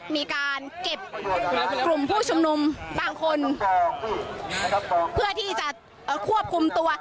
มีการเก็บกลุ่มผู้ชุมนุมบางคนเพื่อที่จะควบคุมตัว